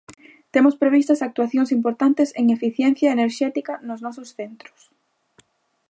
Temos previstas actuacións importantes en eficiencia enerxética nos nosos centros.